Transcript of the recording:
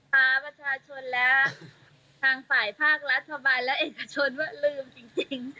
พาประชาชนและทางฝ่ายภาครัฐบาลและเอกชนว่าลืมจริง